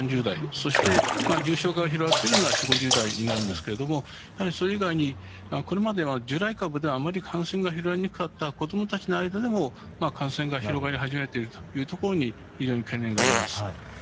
そして重症化が広がっているのは４０５０代になるんですけれどもそれ以外にこれまでは従来株では感染が広がりにくかった子供たちの間でも感染が広がり始めているところに非常に懸念があります。